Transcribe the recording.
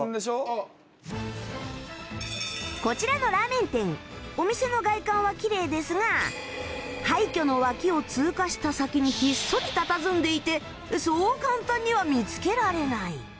こちらのラーメン店廃墟の脇を通過した先にひっそりたたずんでいてそう簡単には見つけられない